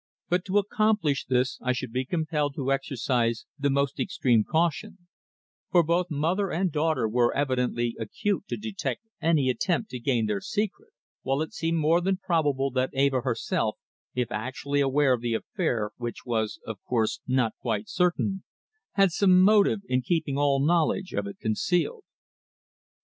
But to accomplish this I should be compelled to exercise the most extreme caution, for both mother and daughter were evidently acute to detect any attempt to gain their secret, while it seemed more than probable that Eva herself if actually aware of the affair, which was, of course, not quite certain had some motive in keeping all knowledge of it concealed.